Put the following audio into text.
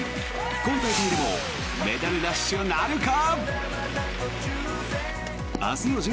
今大会でもメダルラッシュなるか？